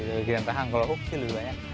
ke bagian rahang kalau hook sih lebih banyak